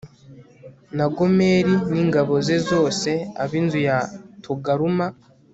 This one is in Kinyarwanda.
na gomeri n ingabo ze zose ab inzu ya togaruma